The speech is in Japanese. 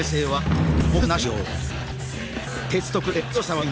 はい。